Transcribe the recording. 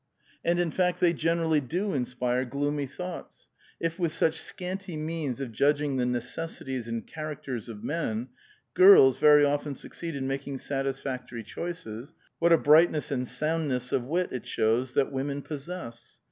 "And in fact they generaUy do inspire gloomy thoughts: if with such scanty means of judging the necessities and characters of inen, girls very often succeed in making satis factoi'y choices, what a brightness and soundness of wit it shows that women possess